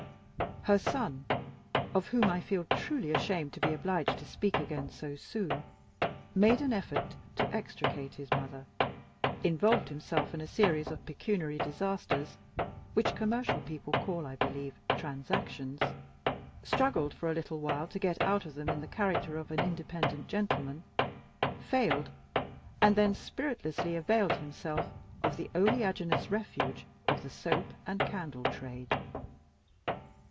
Her son (of whom I feel truly ashamed to be obliged to speak again so soon) made an effort to extricate his mother involved himself in a series of pecuniary disasters, which commercial people call, I believe, transactions struggled for a little while to get out of them in the character of an independent gentleman failed and then spiritlessly availed himself of the oleaginous refuge of the soap and candle trade.